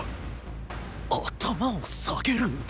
⁉頭を下げる⁉